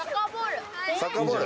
サッカーボール？